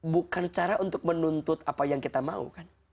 bukan cara untuk menuntut apa yang kita mau kan